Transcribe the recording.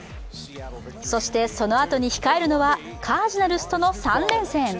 そして、そのあとに控えるのはカージナルスとの３連戦。